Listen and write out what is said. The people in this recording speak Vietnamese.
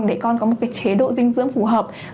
để con có một chế độ dinh dưỡng phù hợp